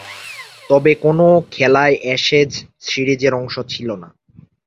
তবে, কোন খেলাই অ্যাশেজ সিরিজের অংশ ছিল না।